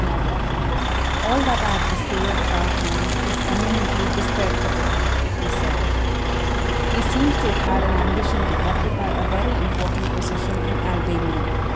nodded. "All that I have discovered about him is eminently discreditable," he said. "He seems to have had an ambition to occupy a very important position in Albania.